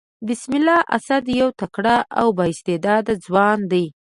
بسم الله اسد يو تکړه او با استعداده ځوان دئ.